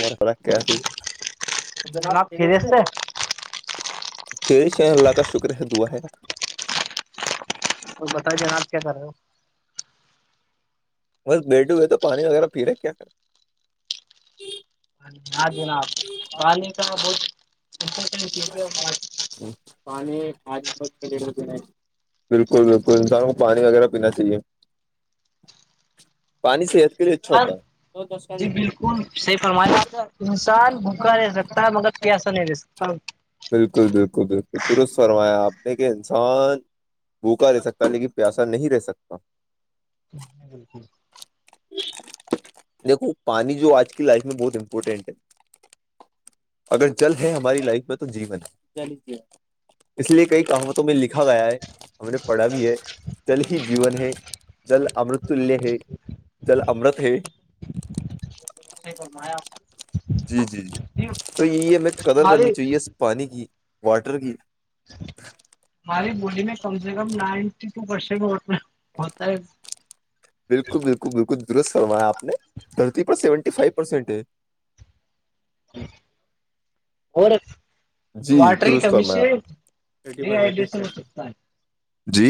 مار خراک کیا آ جناب خیریت سے [unintelligible] چیر شاہ اللہ کا شکر ہے دعا ہے تو بتا دا آپ کیا کر رہے ہو بس بیٹھ ہوئے تو پانی وغیرہ پی رہے کیا کر ہاں جناب پانی کا بہت امپورٹینٹ چیز ہے اور باق پانی کھال ب پ بالکل بالکل انسان کو پانی وغیرہ پینا چاہیے پانی صحت کے لیے اچھا [inaudible] سر ہوتا ہے جی بالکل صحیح فرما س انسان بھوکا رہ سکتا ہے مگر پیسا نہیں رہ سکتا بالکل بالکل بالکل ترست فرمایا آپ نے کہ انسان بھوکا رہ سکتا لیکن پیاسا نہیں رہ سکتا بالکل دیکھو پانی جو آج کی لائف میں بہت امپورٹینٹ ہے اگر چل ہے ہماری لائف میں تو جیون ہے اس لیے کئی کہاوتوں میں لکھا گیا ہے ہم نے پڑھا بھی ہے جل ہی جین ہے جل امرتلیہ ہے چل امرت ہے ب میںایا [unintelligible] جی جی جی تو یہ ہمیں قدر ہماری کرنی چاہیے اس پانی کی واٹر کی ہماری بولی میں کم سے کم نائن بسے میں ہونا ہوتا ہے بالکل بالکل بالکل درست سروایا آپ نے دھرتی پر سیونٹی فائیو پرسینٹ ہے [unintelligible] جی واٹر کی درست کمی فرمایا سے آپ ڈیہائڈریشن ہو سکتا ہے جی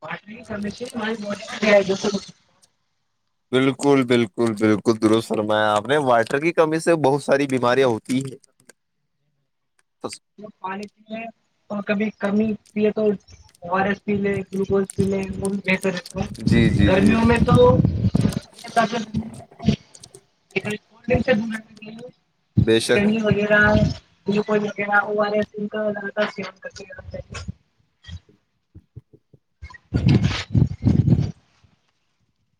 پاٹ کرشاری باڈی فری آ جس بالکل بالکل بالکل درست سرما آپ نے وائٹر کی کمی سے بہت ساری بیماریاں ہوتی ہیں ج پانی پیے اور کبھی کمی پیے تو ار ایس پی لے گلوکوز پی لے وہ بتر ہے جی جی جی گرمیوں میں تو سے بے شک کہی ہو جیرا یہ کوئی اور ل س کر کر [unintelligible] [inaudible]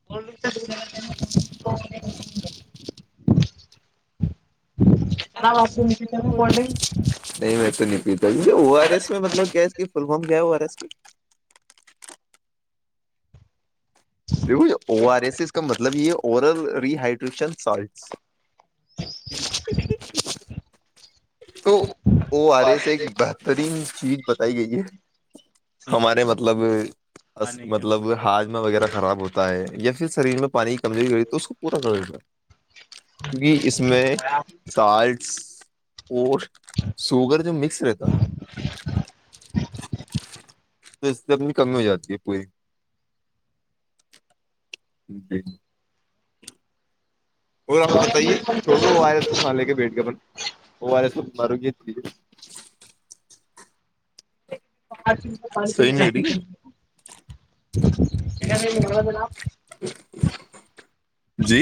[inaudible] [inaudible] جناب آپ کو مجھے چاہیے کولڈ ڈرنک نہیں میں تو نہیں پیتا او آر ایس میں مطلب کیا ہے اس کہ فل فم گیا ہے او آر ایس میں دیکھو او آر ایس ایس کا مطلب یہ ہے اوورل رییہائڈریشن سالٹ [inaudible] تو او آر ای سے ایک بہترین چیز بتائی گئی ہے ہمارے مطلب مطلب ہاجمہ وغیرہ خراب ہوتا تا ہے یا پھر شریر میں پانی کی کمزوری ہو رہی ہے تو اس کو پورا کرا کیونکہ اس میں سالٹس اور سوگر جو مکس رہتا ہے تو اس سے اپنی کمی ہو جاتی ہے پوری جی [unintelligible] اور آپ بتائیے چھوڑو وہ آرس وہاں لے کے بیٹھ گ ب وہ آر ایس مارو گی چ ہے آ کر صحیح نہیں لگ رہی [unintelligible] ہے کیا ن جناپ [unintelligible] جی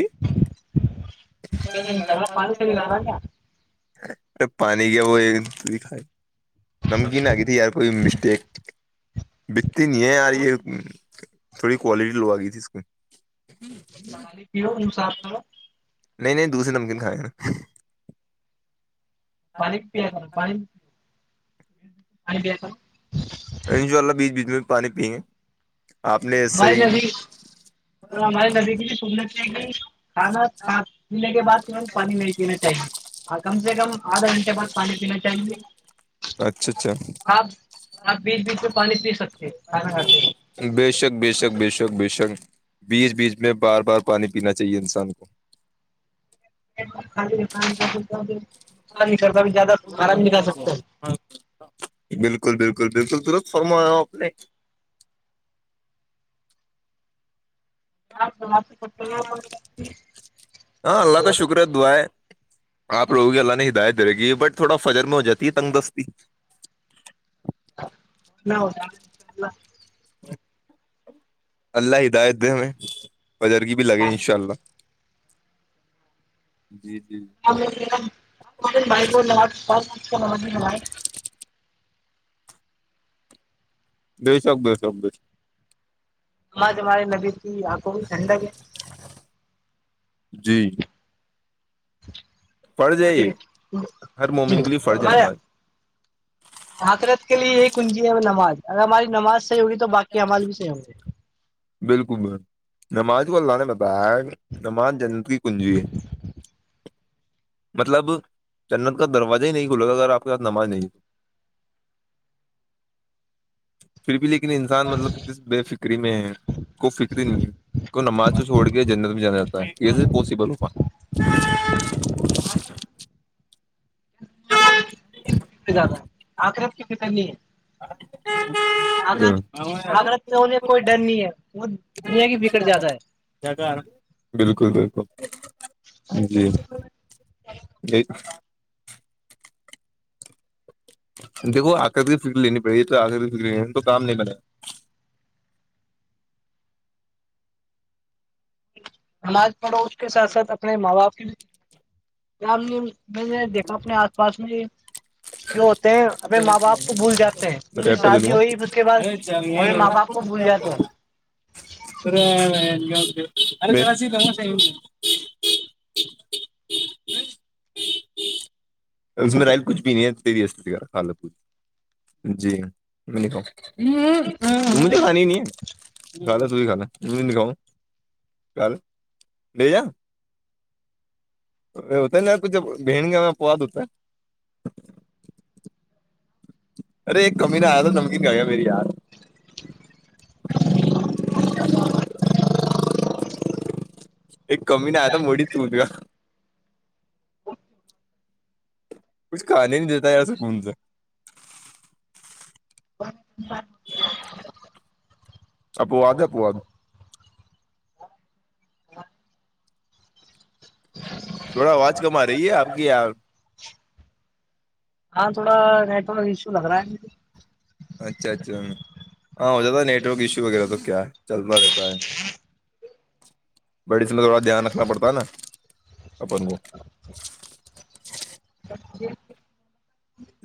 گھر میں پانی سےی لا کیا ارے پانی کیا وہ د نمکین آ گئی تھی یار ائی مسٹیک بتی نہیں ہے یار یہ تھوڑی کوالٹی لو آ گئی تھی اس کو ہوں ج [unintelligible] پانی انصاف کرو نہیں نہیں دوسے نمکین کھائے ہیں نا پانی پ نا پانی پانی پ ان شاء اللہ بیچ بیچ میں بھی پانی پئ گے آپ نے ایسے بھائی ہی میںب بھی اور ہمارے نبی کی سنت ہے کہ کھانا کھا پینے کے بعد ت پانی نہیں پینا چاہیں گے اور کم سے کم آدھا گھنٹے بعد پانی پینا چاہیں گے اچھا اچھا آپ بیچ بیچ میں پانی پی سکتے کھانا کاتے بے شک بے شک بےشک بےشک بیچ بیچ میں بار بار پانی پینا چاہیے انسان کو کرتا زیادہ خراب نہیں کر سکتا بالکل بالکل بالکل درت فرمایا آپ نے ہاں [unintelligible] ہاں اللہ کا شکر ہے دعیں آپ لوگوی اللہ نے ہدات دے کیی بٹ تھوڑا فجر میں ہو جاتی ہے تنگ دستی نا [unintelligible] اللہ ہدایت دے ہمیں بجرگی بھی لگے ان شاء اللہ جی جی بائ ہم [unintelligible] [inaudible] بیشک بیشک بیشک نماج ہمارے نبی کی آنکھوں بھی ٹھڈک ہے جی فرض ہے یہ ہر مومن کے لیے فرض ہے نماز [unintelligible] آ خئیرت کے لیے یہ کنجی ہے نماز اگر ہماری نماز صحیح ہوگی تو باقیعماز بھی صحی ہوں گے بالکل ب نماز کو لا پ بگ نماز جنت کی کنجی ہے مطلب جنت کا دروازہ ہی نہیں گھولے گا اگر آپ کے ساتھ نماز نہیں تو [inaudible] پھر بھی لیکن انسان مطلب کی بے فکری میں ہے کو فکر نہیں ہے کو نماز کو چھوڑ کے جنا ت جانا جتا ہے یہ پاسبل ہو پا [unintelligible] زیادہ آخرت کی فتر نہیں ہے [unintelligible] آغر آغرت سے ہونے کا کوئی ڈر نہیں ہے بت دنیا کی بکٹ زیادہ ہے بالکل بالکل جی جی دیکو آ کرر کی فک لینی پڑی تو آ کرر تو کام نہیں نماز پڑھو اس کے ساتھ ساتھ اپنے ماں باپ کے بھی رام نے میں میں دیکھا اپنے آس پاس میں ہی جو ہوتے ہیں اپنے ماں باپ کو بھول جاتے ہیں کیک میں کی ریپ کا دے دوں شادی گا ہوئیھر اس کے بعد ہمنے ماں باپ کو بھول جاتا ہیں [inaudible] اس میں رائل کچھ بھی نہیں ہے تیریہ کال لا جی میں کہ مجھے خانی ہی نہیں ہے کھا لات بھی کھا بھی نہیں کاؤ کال لے جا ہوتا ہے تو جب بھین گیا میں پواد ہوتا ہے ارے ایک کمی نہیں آیا تھا نمکین گیا میری یاار [inaudible] ایک کمی نہیں آ تھا موڑی تود گا کچھ کھانے نہیں دیتا یار سک ان سے [inaudible] آپواادے آپواے تھوڑا آواز کم آ رہی ہے آپ کی یار ہاں تھوڑا نیٹورک ایشو لگ رہا ہے مے اچھا اچھا ہاں ہو جاتا ہے نیٹ ورک ایشو وغیرہ تو کیا ہے چلتا رہتا ہے بڑی اس میں تھوڑا دھیان رکھنا پڑتا ہے نا اپن کو جی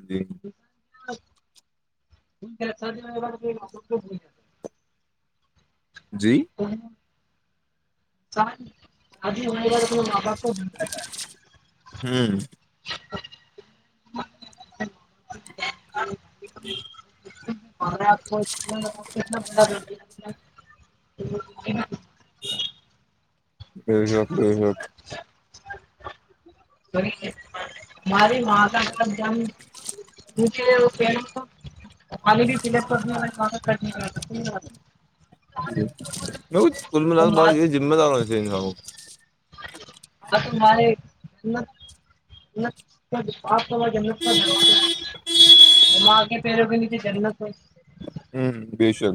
جی [inaudible] جی چان آدھی ہو گا آبا کو منتا جائے ہاں آپ کونا اتنا بڑا [inaudible] یہ جق یہ وک [inaudible] ماری ماں کا کیا پوں تھا آلے بھی پل پمی وال ہوا کمی آ تن نہیں ک م وہ ب ماں یہ ماں ذمہ دار ہو تھ انسان کو [inaudible] ماں کے پیرو کے نیچے جننت‌ ہے ہوں بے شک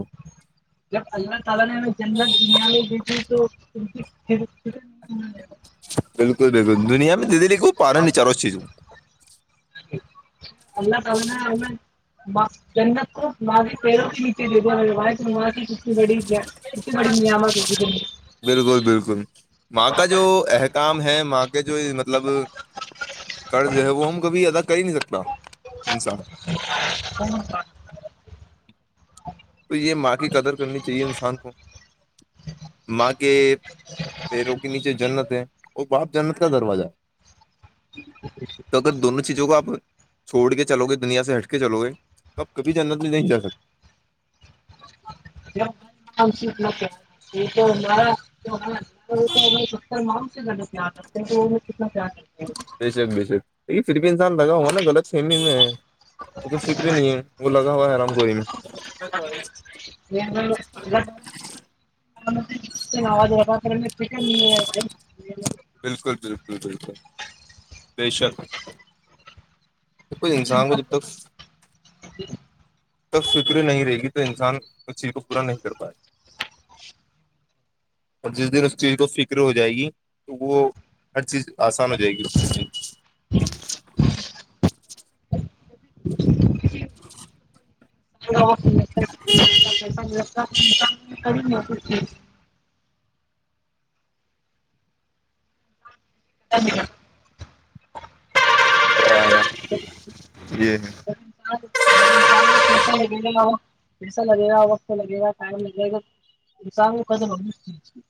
[inaudible] بالکل بالکل دنیا میں [inaudible] ہونا. [inaudible] [inaudible] [inaudible] بالکل بالکل ماں کا جو احکام ہے ماں کے جو مطلب قرض ہے وہ ہم کبھی ادا کر ہی نہیں سکتا انسان [inaudible] تو یہ ماں کی قدر کرنی چاہیے انسان کو ماں کے پیروں کے نیچے جنت ہے اور باپ جنت کا دروازہ تو اگر دونوں چیزوں کو آپ چھوڑ کے چلو گے دنیا سے ہٹ کے چلو گے تو آپ کب جاننا بھی نہیں جا سکتے جب ہم ست م ستر ما سے زدے پیار رکھتے ہیں تو انیں کتنا پیار رکھتا ہے بے شک بے شک دیکھیے پھر بھی انسان لگا ہوا نا غط فیمی میں وہ تو فکر ہی نہیں ہے وہ لگا ہوا ہے ررام گوری میں آاز کرن بالکل بالکل بالکل بے شک ج کئی انسان کو جب تک تک فکر نہیں رہے گی تو انسان اس چیز کو پورا نہیں کر پائے اور جس دن اس چیز کو فکر ہو جائے گی تو وہ ہر چیز آسان ہو جائے گی اس چیز کی [unintelligible] کر دنیہ واد [unintelligible] چ کے لیے۔ یہ لگے گا پیسا لگے گا وقت لگے گا ٹائم لگے گا ساو ک م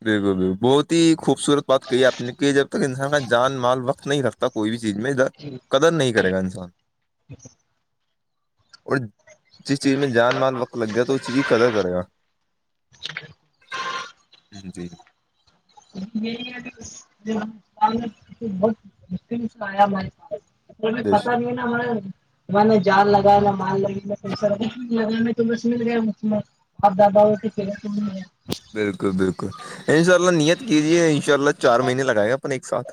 بالکل بال بہت ہی خوبصورت بات کہی ہے آپ نے کہ جب تک انسان کا جان مال وقت نہیں رکھتا کوئی بھی چیز میں ادھر جی قدر نہیں کرے گا انسان اور جس چیز میں جان مال وقت لگ گیا تو اس چیز قدر کرے گا ٹیک ہے جی یہی ب آیا ہمارے س یں بش- پتا نہیں نہ مے ہم نے جال لگانا مال لگا پ سب لگانا تو بس مل گیا م میں آپ دادا ہو تو پا بالکل بالکل ان شاء اللہ نیت کیجیے ان شاء اللہ چار مہینے لگائے گا اپن ایک ساتھ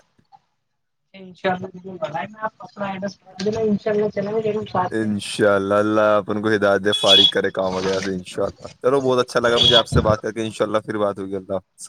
ان شاء اللہ مجھے بتائے آ اپنا ایڈریس بتا دینا ان شاء اللہ چلیں گیر ساتھ میں ان شاء اللہپن کو ہدات فارغ کرے کام وغیرہ سے انشاءلہلو بہت اچھا لگا مجھے آ سے بات ان ششءلہ پھر بات ہوئی اللہ